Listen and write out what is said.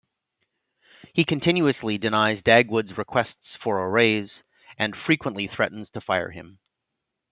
He continuously denies Dagwood's requests for a raise and frequently threatens to fire him.